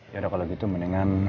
yaudah kalau gitu mendingan